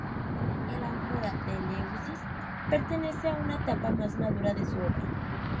El ánfora de Eleusis pertenece a una etapa más madura de su obra.